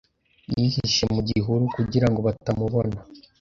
Yihishe mu gihuru kugira ngo batamubona.